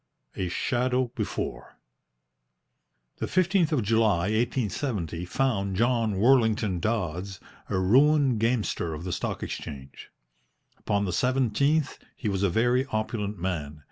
A SHADOW BEFORE The 15th of July, 1870, found John Worlington Dodds a ruined gamester of the Stock Exchange. Upon the 17th he was a very opulent man.